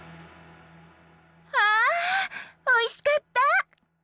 あおいしかった。